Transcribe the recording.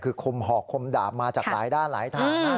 คือคมหอกคมดาบมาจากหลายด้านหลายทางนะ